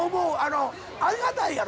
ありがたいやろ？